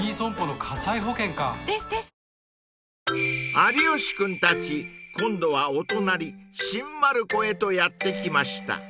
［有吉君たち今度はお隣新丸子へとやって来ました］